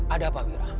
ada pak wira